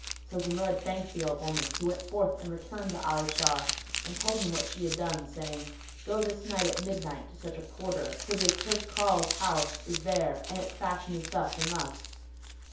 So Zumurrud thanked the old woman, who went forth and returned to Ali Shar and told him what she had done, saying, "Go this night, at midnight, to such a quarter, for the accursed carle's house is there and its fashion is thus and thus.